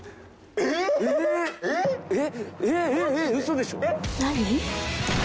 えっ？